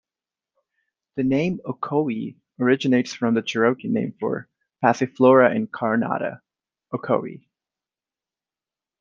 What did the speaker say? The name Ocoee originates from the Cherokee name for Passiflora incarnata, ocoee.